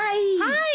はい！